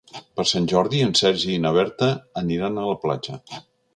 Per Sant Jordi en Sergi i na Berta aniran a la platja.